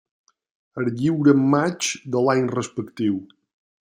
Es lliura en maig de l'any respectiu.